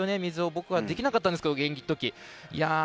僕はできなかったんですけど現役のとき。